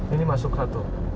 ini masuk satu